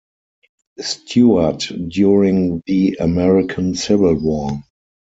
Stuart during the American Civil War.